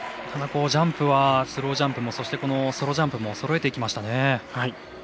ただジャンプはスロージャンプもソロジャンプもそろえていきましたね。